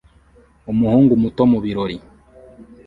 Umuhungu muto mu birori